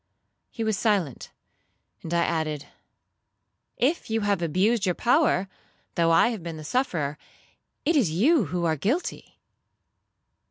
'—He was silent, and I added, 'If you have abused your power, though I have been the sufferer, it is you who are guilty.'